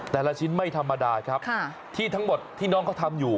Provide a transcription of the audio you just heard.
แต่ละชิ้นไม่ธรรมดาครับที่ทั้งหมดที่น้องเขาทำอยู่